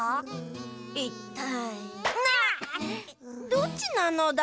どっちなのだ？